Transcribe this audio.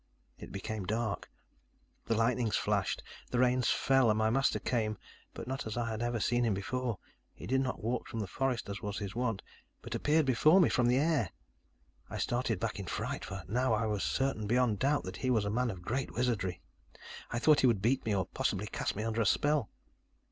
"It became dark. The lightnings flashed, and the rain fell, and my master came, but not as I had ever seen him before. He did not walk from the forest as was his wont, but appeared before me from the air. I started back in fright, for now I was certain beyond doubt that he was a man of great wizardry. I thought he would beat me, or possibly cast me under a spell.